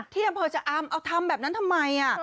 ที่อำเภอชะอำเอาทำแบบนั้นทำไม